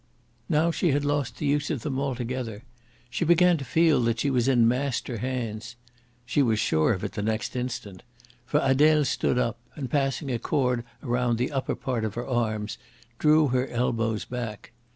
Now she had lost the use of them altogether. She began to feel that she was in master hands. She was sure of it the next instant. For Adele stood up, and, passing a cord round the upper part of her arms, drew her elbows back.